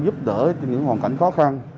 giúp đỡ những hoàn cảnh khó khăn